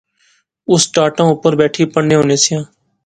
اس ٹاٹاں اوپر بیٹھی پڑھنے ہونے سیاں